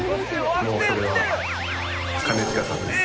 もうそれは兼近さんです。